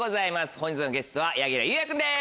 本日のゲストは柳楽優弥君です。